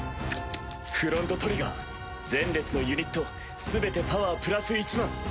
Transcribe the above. フロントトリガー前列のユニットすべてパワープラス１００００！